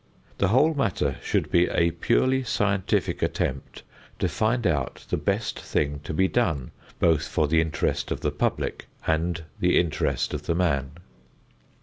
The whole matter should be a purely scientific attempt to find out the best thing to be done both for the interest of the public and the interest of the man.